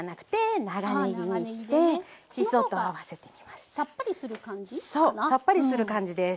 そうさっぱりする感じです。